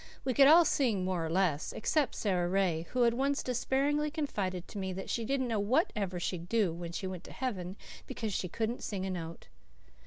We could all sing more or less, except poor Sara Ray, who had once despairingly confided to me that she didn't know what she'd ever do when she went to heaven, because she couldn't sing a note.